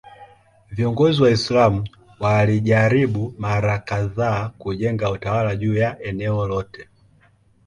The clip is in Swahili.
Viongozi Waislamu walijaribu mara kadhaa kujenga utawala juu ya eneo lote.